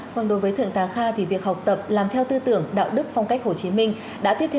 còn đối với thượng tá kha thì việc học tập làm theo tư tưởng đạo đức phong cách hồ chí minh